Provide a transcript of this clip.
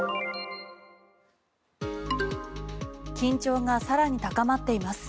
緊張がさらに高まっています。